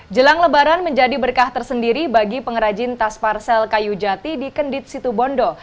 jelang lebaran menjadi berkah tersendiri bagi pengrajin tas parsel kayu jati di kendit situbondo